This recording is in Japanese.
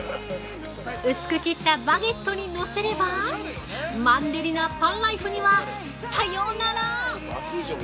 薄く切ったバゲットに載せれば、マンネリなパンライフにはさようなら。